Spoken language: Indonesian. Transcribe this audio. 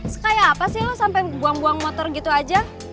kayak apa sih lo sampai buang buang motor gitu aja